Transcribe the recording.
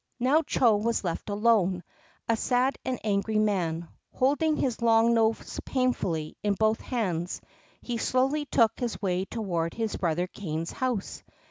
Now Chô was left alone, a sad and angry man. Holding his long nose painfully in both hands, he slowly took his way toward his brother Kané's house.